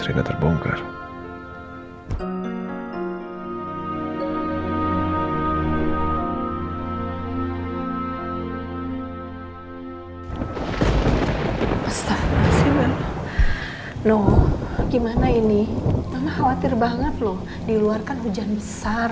gila terlalu panjang banget loh diluar kan hujan besar